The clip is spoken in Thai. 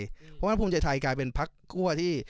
เพราะว่าภูมิใจไทยกลายเป็นพักคั่วที่